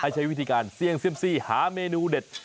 ใช้วิธีการเสี่ยงเซ็มซี่หาเมนูเด็ด